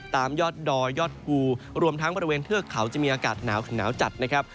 ตามยอดดอยยอดภูรวมทั้งบริเวณเทือกเขาจะมีอากาศหนาวถึงหนาวจัดนะครับ